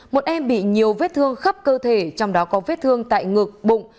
một em bị nhiều vết thương khắp cơ thể trong đó có vết thương tại ngực bụng